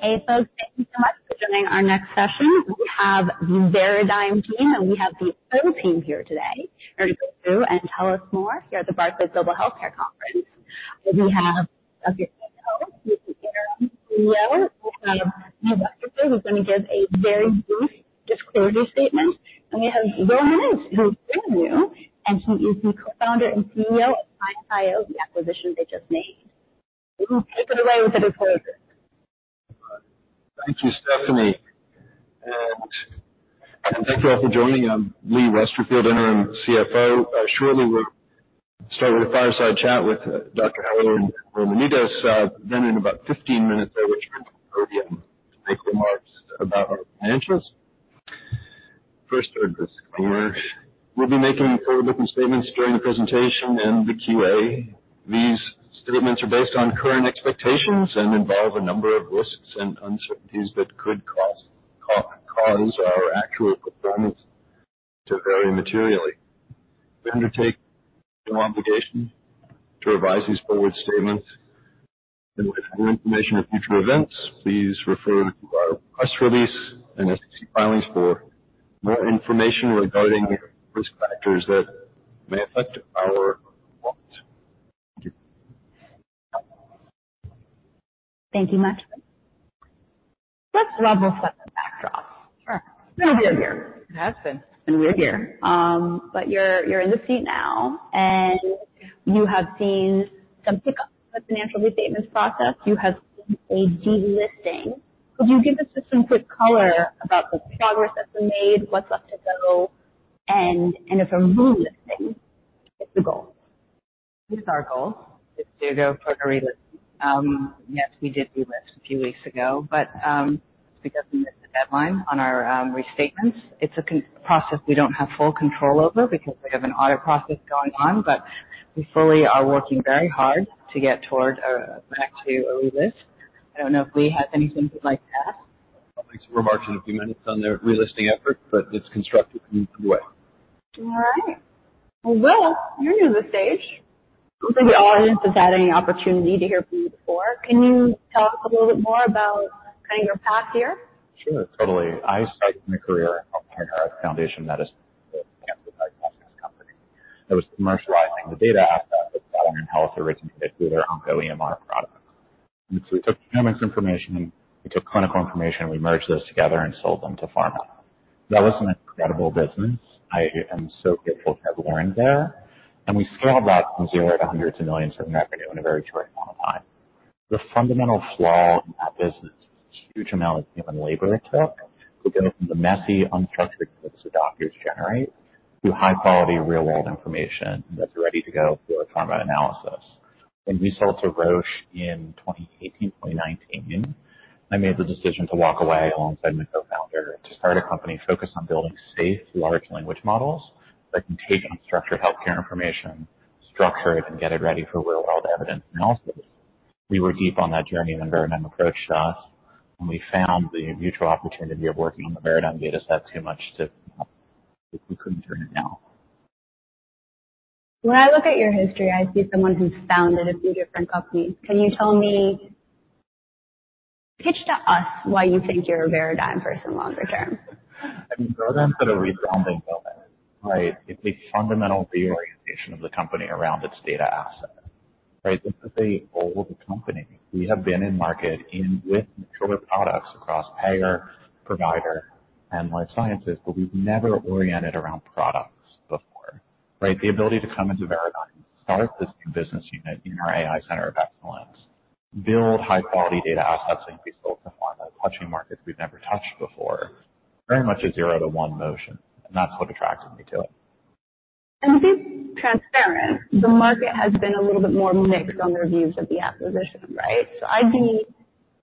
Hey folks, thank you so much for joining our next session. We have the Veradigm team, and we have the full team here today to go through and tell us more here at the Barclays Global Healthcare Conference. We have Dr. Shih-Yin Ho, who's the Interim CEO. We have Lee Westerfield, who's going to give a very brief disclosure statement. And we have Will Manidis, who's brand new, and he is the co-founder and CEO of ScienceIO, the acquisition they just made. Lee, take it away with the disclosure. Thank you, Stephanie. And thank you all for joining. I'm Lee Westerfield, Interim CFO. Shortly we'll start with a fireside chat with Dr. Yin Ho and Will Manidis, then in about 15 minutes I will turn to the podium to make remarks about our financials. First, a disclaimer: we'll be making forward-looking statements during the presentation and the Q&A. These statements are based on current expectations and involve a number of risks and uncertainties that could cause our actual performance to vary materially. We undertake no obligation to revise these forward statements. With more information or future events, please refer to our press release and SEC filings for more information regarding risk factors that may affect our performance. Thank you much. Let's level set the backdrop. Sure. It's been a weird year. It has been. It's been a weird year. But you're, you're in the seat now, and you have seen some pickups in the financial restatements process. You have seen a delisting. Could you give us just some quick color about the progress that's been made, what's left to go, and, and if a relisting is the goal? Here's our goal: is to go for a relisting. Yes, we did relist a few weeks ago. But because we missed the deadline on our restatements, it's an ongoing process we don't have full control over because we have an audit process going on. But we fully are working very hard to get back to a relist. I don't know if Lee has anything he'd like to add. I'll make some remarks in a few minutes on the relisting effort, but it's constructive and underway. All right. Well, Will, you're new to the stage. I don't think the audience has had any opportunity to hear from you before. Can you tell us a little bit more about kind of your path here? Sure, totally. I started my career at Foundation Medicine, that is, cancer diagnostics company. It was commercializing the data assets that Flatiron Health originated through their OncoEMR products. And so we took genomics information, we took clinical information, we merged those together and sold them to Pharma. That was an incredible business. I am so grateful to have learned there. And we scaled that from zero to $hundreds of millions in revenue in a very short amount of time. The fundamental flaw in that business is the huge amount of human labor it took to go from the messy, unstructured notes that doctors generate to high-quality, real-world information that's ready to go for a Pharma analysis. When we sold to Roche in 2018, 2019, I made the decision to walk away alongside my co-founder to start a company focused on building safe, large language models that can take unstructured healthcare information, structure it, and get it ready for real-world evidence analysis. We were deep on that journey when Veradigm approached us, and we found the mutual opportunity of working on the Veradigm data set too much to. We couldn't turn it down. When I look at your history, I see someone who's founded a few different companies. Can you tell me pitch to us why you think you're a Veradigm person longer term? I mean, Veradigm's been a resounding moment, right? It's a fundamental reorientation of the company around its data assets, right? This is an old company. We have been in market in with mature products across payer, provider, and life sciences, but we've never oriented around products before, right? The ability to come into Veradigm and start this new business unit in our AI center of excellence, build high-quality data assets that can be sold to Pharma, touching markets we've never touched before, very much a zero-to-one motion. And that's what attracted me to it. To be transparent, the market has been a little bit more mixed on their views of the acquisition, right? So I'd be,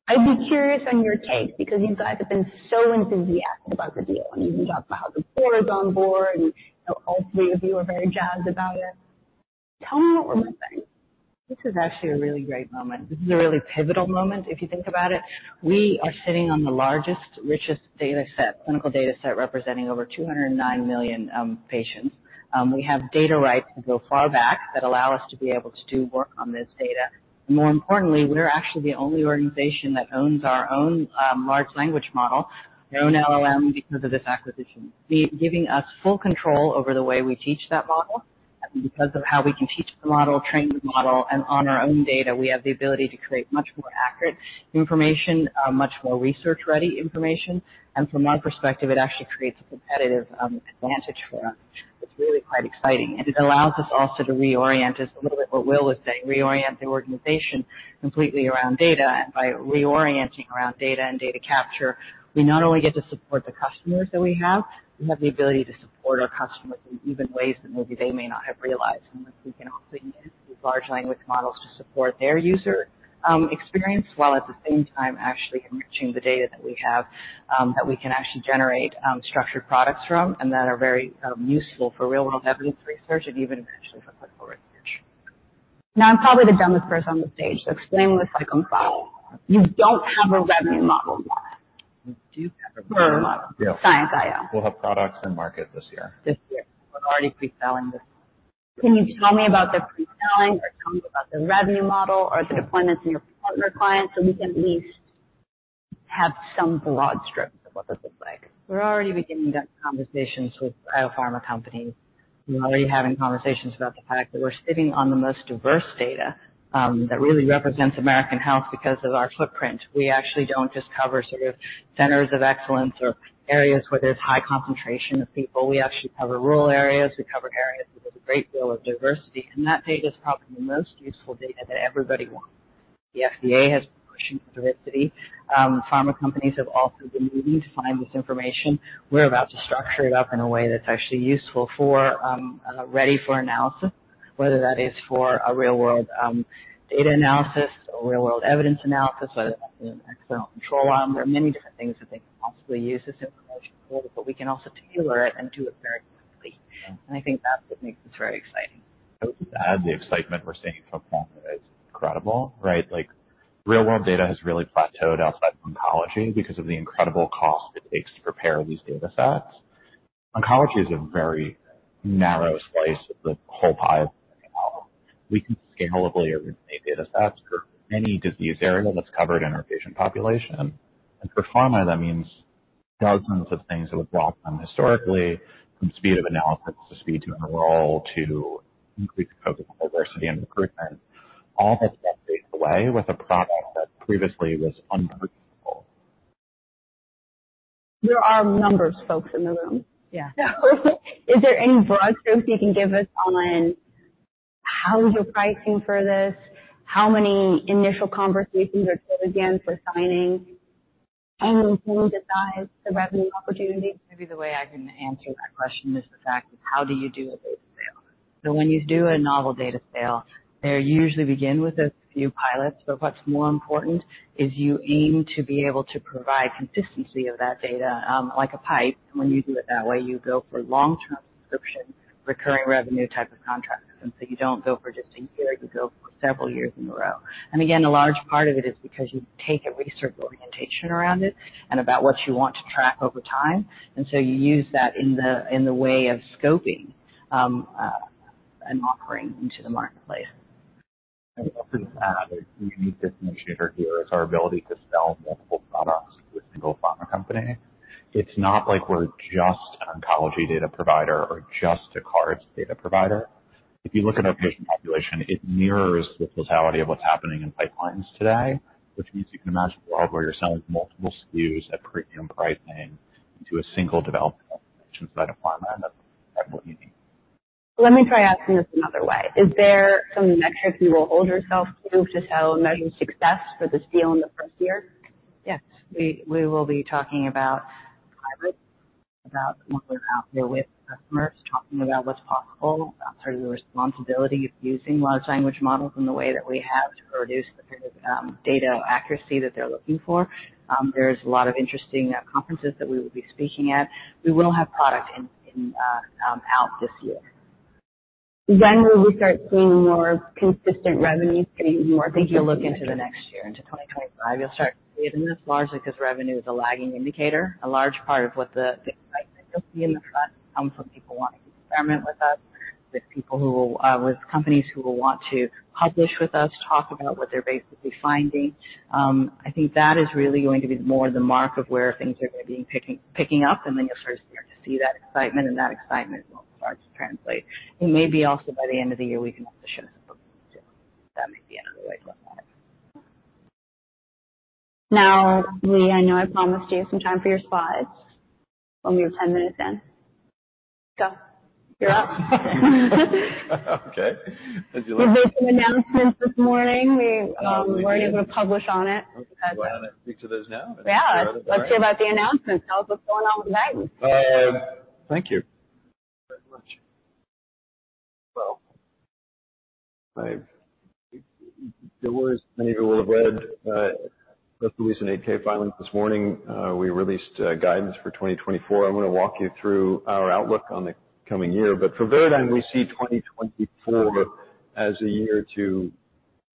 I'd be curious on your take because you guys have been so enthusiastic about the deal, and you even talked about how the board's on board, and, you know, all three of you are very jazzed about it. Tell me what we're missing. This is actually a really great moment. This is a really pivotal moment if you think about it. We are sitting on the largest, richest data set, clinical data set representing over 209 million patients. We have data rights that go far back that allow us to be able to do work on this data. And more importantly, we're actually the only organization that owns our own large language model, our own LLM, because of this acquisition. It's giving us full control over the way we teach that model. And because of how we can teach the model, train the model, and on our own data, we have the ability to create much more accurate information, much more research-ready information. And from our perspective, it actually creates a competitive advantage for us. It's really quite exciting. It allows us also to reorient us a little bit, what Will was saying, reorient the organization completely around data. By reorienting around data and data capture, we not only get to support the customers that we have, we have the ability to support our customers in even ways that maybe they may not have realized. We can also use these large language models to support their user experience while at the same time actually enriching the data that we have, that we can actually generate structured products from and that are very useful for real-world evidence research and even eventually for clinical research. Now, I'm probably the dumbest person on the stage, so explain with cycle 5. You don't have a revenue model yet. We do have a revenue model. Huh. Yeah. ScienceIO. We'll have products in market this year. This year. We're already preselling this year. Can you tell me about the preselling, or tell me about the revenue model, or the deployments in your partner clients so we can at least have some broad strokes of what this looks like? We're already beginning to have conversations with biopharma companies. We're already having conversations about the fact that we're sitting on the most diverse data, that really represents American health because of our footprint. We actually don't just cover sort of centers of excellence or areas where there's high concentration of people. We actually cover rural areas. We cover areas with a great deal of diversity. And that data's probably the most useful data that everybody wants. The FDA has been pushing for diversity. Pharma companies have also been needing to find this information. We're about to structure it up in a way that's actually useful for, ready for analysis, whether that is for a real-world data analysis or real-world evidence analysis, whether that's an external control arm. There are many different things that they can possibly use this information for, but we can also tailor it and do it very quickly. I think that's what makes this very exciting. I would add the excitement we're seeing from Pharma is incredible, right? Like, real-world data has really plateaued outside of oncology because of the incredible cost it takes to prepare these data sets. Oncology is a very narrow slice of the whole pie of health. We can scalably originate data sets for any disease area that's covered in our patient population. For Pharma, that means dozens of things that would block them historically, from speed of analysis to speed to enroll to increase the cognitive diversity and recruitment. All that's been taken away with a product that previously was unpurchasable. There are numbers, folks, in the room. Yeah. Is there any broad strokes you can give us on how you're pricing for this, how many initial conversations are told again for signing, and can you decide the revenue opportunity? Maybe the way I can answer that question is the fact of how do you do a data sale. So when you do a novel data sale, they usually begin with a few pilots. But what's more important is you aim to be able to provide consistency of that data, like a pipe. And when you do it that way, you go for long-term subscription, recurring revenue type of contracts. And so you don't go for just a year. You go for several years in a row. And again, a large part of it is because you take a research orientation around it and about what you want to track over time. And so you use that in the way of scoping an offering into the marketplace. I would also just add a unique distinction here is our ability to sell multiple products within both pharma companies. It's not like we're just an oncology data provider or just a cards data provider. If you look at our patient population, it mirrors the totality of what's happening in pipelines today, which means you can imagine a world where you're selling multiple SKUs at premium pricing to a single development organization inside of Pharma. And that's exactly what you need. Let me try asking this another way. Is there some metric you will hold yourself to to sell and measure success for this deal in the first year? Yes. We will be talking about hybrid, about when we're out there with customers, talking about what's possible, about sort of the responsibility of using large language models in the way that we have to produce the kind of data accuracy that they're looking for. There's a lot of interesting conferences that we will be speaking at. We will have product out this year. When will we start seeing more consistent revenue streams? I think you'll look into the next year, into 2025. You'll start seeing this largely because revenue is a lagging indicator. A large part of what the excitement you'll see in the front comes from people wanting to experiment with us, with people who will, with companies who will want to publish with us, talk about what they're basically finding. I think that is really going to be more the mark of where things are going to be picking up. And then you'll sort of start to see that excitement, and that excitement will start to translate. It may be also by the end of the year we can also show some books. That may be another way to look at it. Now, Leah, I know I promised you some time for your slides when we have 10 minutes in. Go. You're up. Okay. As you learned. We made some announcements this morning. We weren't able to publish on it because of. Want to speak to those now? Yeah. Let's hear about the announcements. Tell us what's going on with guidance. Thank you very much. Well, as many of you will have read most of these in 8-K filings this morning. We released guidance for 2024. I'm going to walk you through our outlook on the coming year. But for Veradigm, we see 2024 as a year to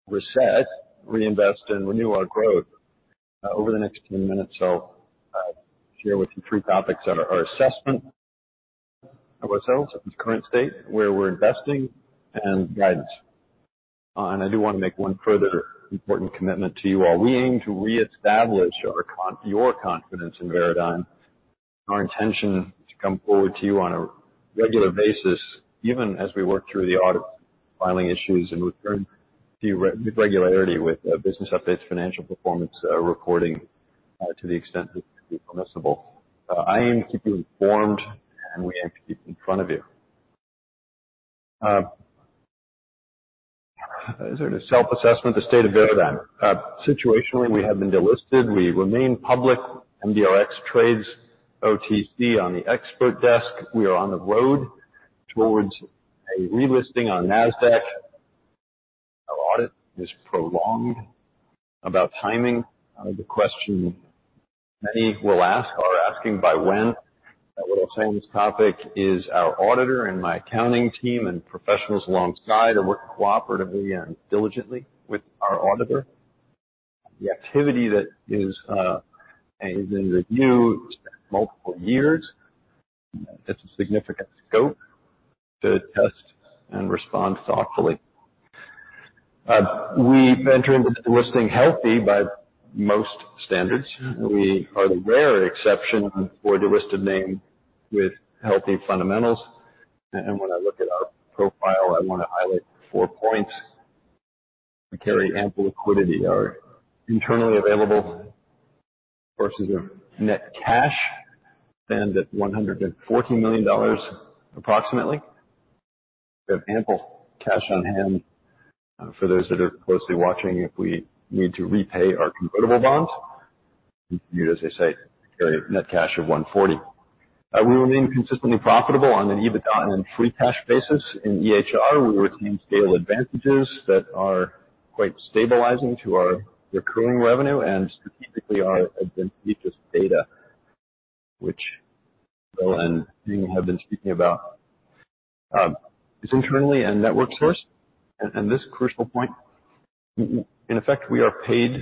reset, reinvest, and renew our growth. Over the next 10 minutes, I'll share with you three topics that are our assessment of ourselves, of the current state, where we're investing, and guidance. I do want to make one further important commitment to you all. We aim to reestablish your confidence in Veradigm. Our intention is to come forward to you on a regular basis, even as we work through the audit filing issues, and return to you with regularity, business updates, financial performance, reporting, to the extent that can be permissible. I aim to keep you informed, and we aim to keep you in front of you: sort of self-assessment, the state of Veradigm. Situationally, we have been delisted. We remain public. MDRX trades OTC on the expert desk. We are on the road towards a relisting on NASDAQ. Our audit is prolonged. About timing, the question many will ask are asking by when. What I'll say on this topic is our auditor and my accounting team and professionals alongside are working cooperatively and diligently with our auditor. The activity that is, is in review spent multiple years. It's a significant scope to test and respond thoughtfully. We entered into the listing healthy by most standards. We are the rare exception for a delisted name with healthy fundamentals. When I look at our profile, I want to highlight four points. We carry ample liquidity. Our internally available sources of net cash stand at $140 million approximately. We have ample cash on hand, for those that are closely watching if we need to repay our convertible bonds. Continued, as I say, carry net cash of $140. We remain consistently profitable on an EBITDA and free cash basis. In EHR, we retain scale advantages that are quite stabilizing to our recurring revenue and strategically our advantageous data, which Will and Jenny have been speaking about. It's internally and network sourced. And this crucial point, in effect, we are paid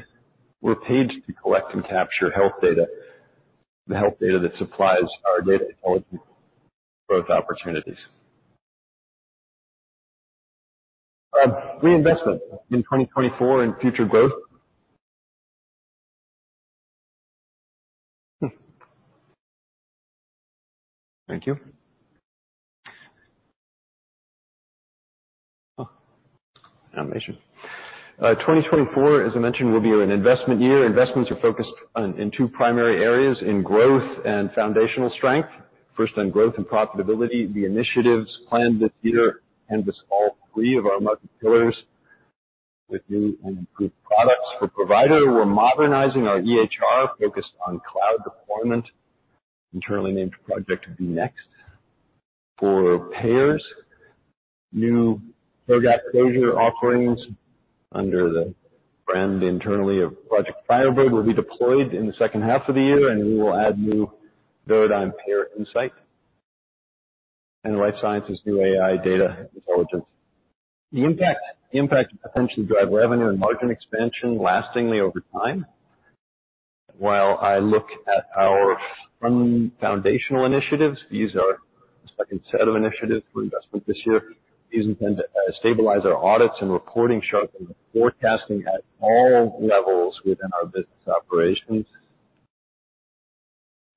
to collect and capture health data, the health data that supplies our data intelligence growth opportunities reinvestment in 2024 and future growth. Thank you. 2024, as I mentioned, will be an investment year. Investments are focused on in two primary areas, in growth and foundational strength. First, on growth and profitability. The initiatives planned this year canvass all three of our market pillars with new and improved products. For provider, we're modernizing our EHR focused on cloud deployment, internally named Project vNext. For payers, new payer gap closure offerings under the brand internally of Project Firebird will be deployed in the second half of the year. We will add new Veradigm Payer Insights and Life Sciences' new AI data intelligence. The impact, the impact will potentially drive revenue and margin expansion lastingly over time. While I look at our foundational initiatives, these are a second set of initiatives for investment this year. These intend to stabilize our audits and reporting, sharpen the forecasting at all levels within our business operations,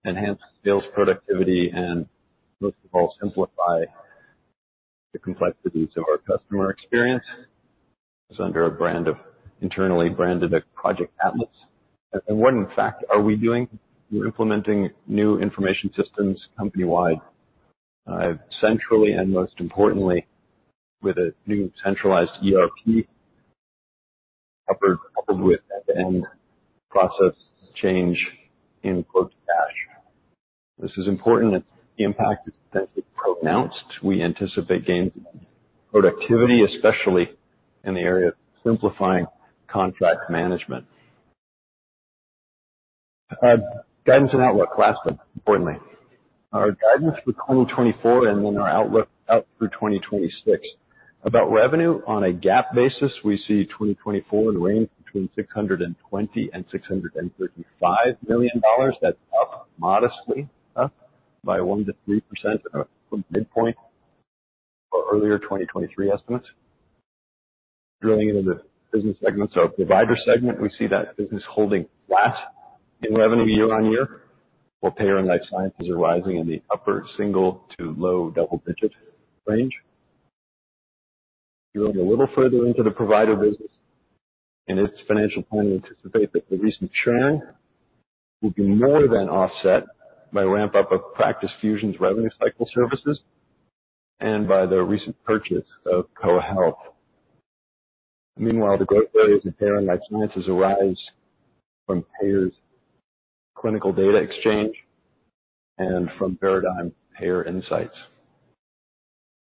enhance sales productivity, and most of all, simplify the complexities of our customer experience. It's under a brand of internally branded as Project Atlas. What, in fact, are we doing? We're implementing new information systems company-wide, centrally, and most importantly, with a new centralized ERP coupled with end-to-end process change in 'cash'. This is important. The impact is potentially pronounced. We anticipate gains in productivity, especially in the area of simplifying contract management. Guidance and outlook, last but importantly. Our guidance for 2024 and then our outlook out through 2026. About revenue, on a GAAP basis, we see 2024 in the range between $620 million and $635 million. That's up, modestly up, by 1%-3% from midpoint for earlier 2023 estimates. Drilling into the business segment. So provider segment, we see that business holding flat in revenue year-on-year. Well, payer and Life Sciences are rising in the upper single- to low double-digit range. Drilling a little further into the provider business and its financial planning, we anticipate that the recent churn will be more than offset by a ramp-up of Practice Fusion's revenue cycle services and by the recent purchase of CoHealth. Meanwhile, the growth areas of payer and Life Sciences arise from payers' clinical data exchange and from Veradigm Payer Insights.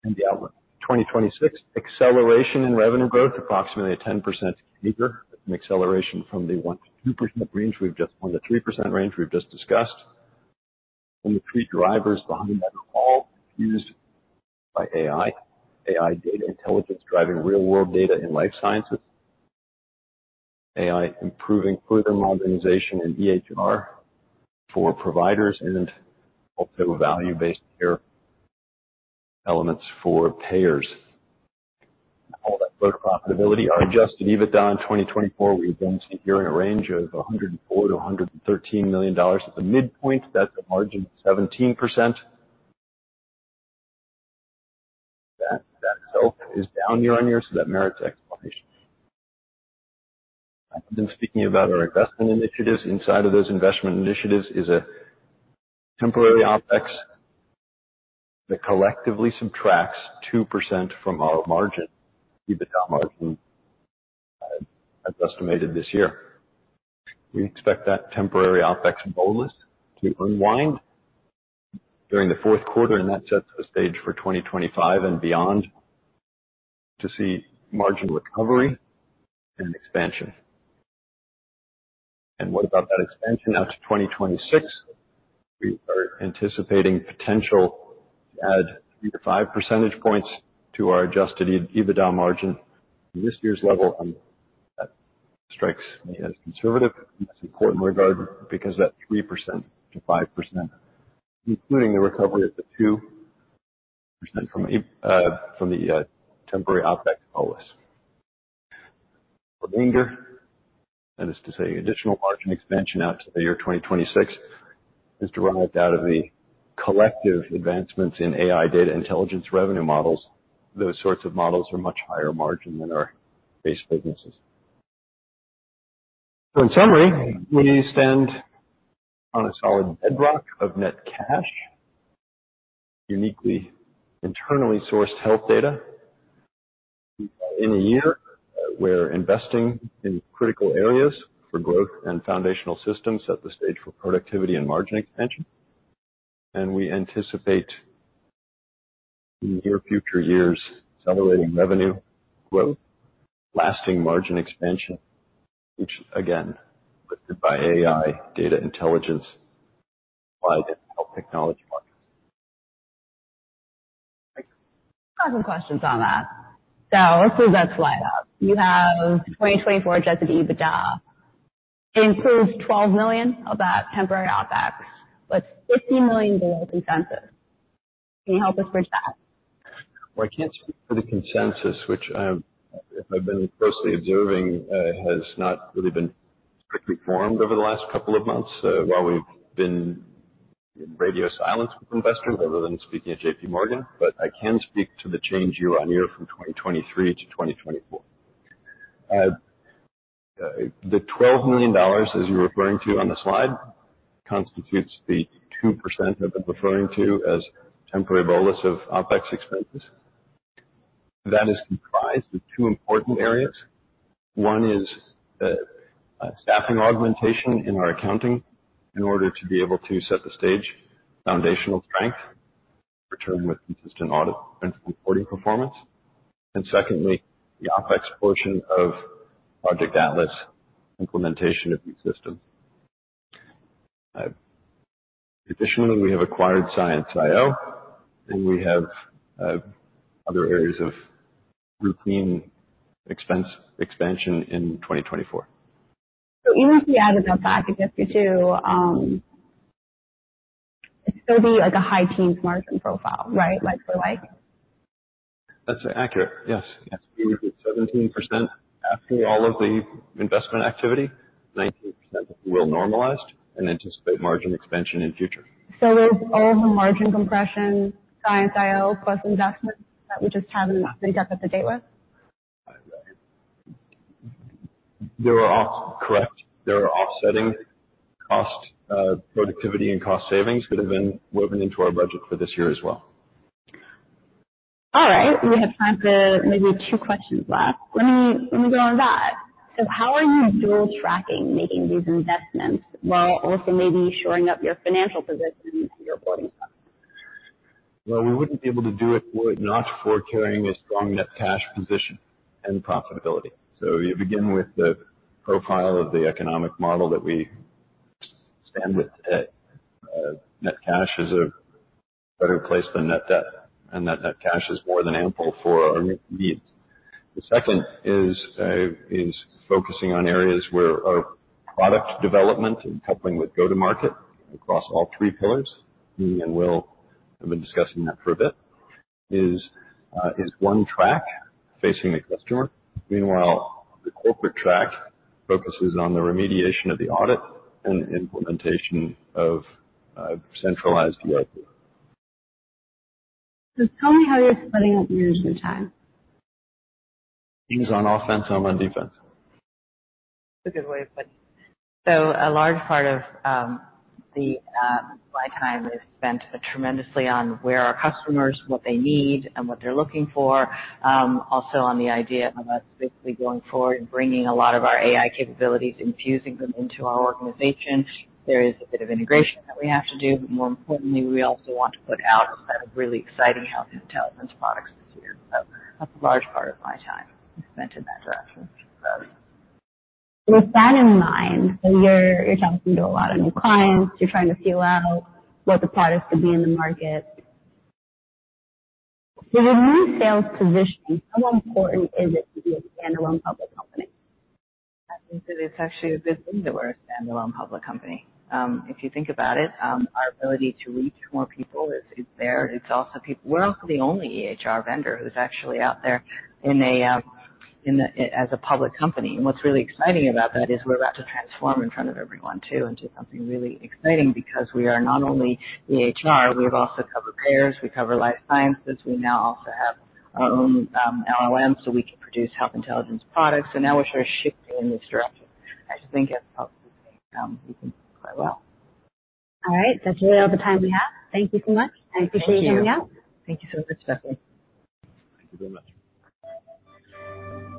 And the outlook, 2026, acceleration in revenue growth, approximately a 10% acceleration from the 1%-2% range. We've just 1%-3% range we've just discussed. And the three drivers behind that are all fused by AI, AI data intelligence driving real-world data in Life Sciences, AI improving further modernization in EHR for providers, and also value-based care elements for payers. All of that growth profitability. Our Adjusted EBITDA in 2024, we again see here in a range of $104 million-$113 million. At the midpoint, that's a margin of 17%. That, that itself is down year-on-year. So that merits explanation. I've been speaking about our investment initiatives. Inside of those investment initiatives is a temporary OPEX that collectively subtracts 2% from our margin, EBITDA margin, as estimated this year. We expect that temporary OPEX bonus to unwind during the fourth quarter. And that sets the stage for 2025 and beyond to see margin recovery and expansion. And what about that expansion out to 2026? We are anticipating potential to add 3-5 percentage points to our adjusted EBITDA margin from this year's level. And that strikes me as conservative in this important regard because that 3%-5%, including the recovery of the 2% from the temporary OPEX bonus. Remainder, that is to say, additional margin expansion out to the year 2026, is derived out of the collective advancements in AI data intelligence revenue models. Those sorts of models are much higher margin than our base businesses. In summary, we stand on a solid bedrock of net cash, uniquely internally sourced health data. In a year where investing in critical areas for growth and foundational systems set the stage for productivity and margin expansion. We anticipate in near future years accelerating revenue growth, lasting margin expansion, each again lifted by AI data intelligence applied in health technology markets. Thank you. I've got some questions on that. So let's move that slide up. You have 2024 Adjusted EBITDA. It includes $12 million of that temporary OPEX, but $50 million below consensus. Can you help us bridge that? Well, I can't speak for the consensus, which I have if I've been closely observing, has not really been strictly formed over the last couple of months, while we've been in radio silence with investors other than speaking at J.P. Morgan. But I can speak to the change year-on-year from 2023 to 2024. The $12 million, as you're referring to on the slide, constitutes the 2% I've been referring to as temporary bonus of OPEX expenses. That is comprised of two important areas. One is, staffing augmentation in our accounting in order to be able to set the stage, foundational strength, return with consistent audit and reporting performance. And secondly, the OPEX portion of Project Atlas, implementation of these systems. Additionally, we have acquired ScienceIO. And we have, other areas of routine expense expansion in 2024. So even if we added that back, I guess we do, it'd still be, like, a high teens margin profile, right, like for like? That's accurate. Yes. Yes. We would do 17% after all of the investment activity, 19% will normalized, and anticipate margin expansion in future. So is all the margin compression ScienceIO plus investment that we just haven't been kept up to date with? There are offsets, correct. There are offsetting costs, productivity and cost savings that have been woven into our budget for this year as well. All right. We have time for maybe two questions left. Let me, let me go on that. So how are you dual tracking making these investments while also maybe shoring up your financial position and your reporting stuff? Well, we wouldn't be able to do it without forecasting a strong net cash position and profitability. So you begin with the profile of the economic model that we stand with today. Net cash is a better place than net debt. And that net cash is more than ample for our needs. The second is focusing on areas where our product development and coupling with go-to-market across all three pillars, Jenny and Will have been discussing that for a bit, is one track facing the customer. Meanwhile, the corporate track focuses on the remediation of the audit and implementation of centralized ERP. So tell me how you're splitting up your usual time? Things on offense. I'm on defense. That's a good way of putting it. So a large part of my time is spent tremendously on where our customers what they need and what they're looking for, also on the idea of us basically going forward and bringing a lot of our AI capabilities and fusing them into our organization. There is a bit of integration that we have to do. But more importantly, we also want to put out a set of really exciting health intelligence products this year. So that's a large part of my time spent in that direction. With that in mind, so you're talking to a lot of new clients. You're trying to feel out what the products could be in the market. For your new sales positioning, how important is it to be a standalone public company? I think that it's actually a good thing that we're a standalone public company. If you think about it, our ability to reach more people is there. It's also people we're also the only EHR vendor who's actually out there as a public company. And what's really exciting about that is we're about to transform in front of everyone too into something really exciting because we are not only EHR. We have also covered payers. We cover Life Sciences. We now also have our own LLMs so we can produce health intelligence products. So now we're sort of shifting in this direction. I just think that's probably something we can do quite well. All right. That's really all the time we have. Thank you so much. Thank you. I appreciate you coming out. Thank you so much, Stephanie. Thank you very much.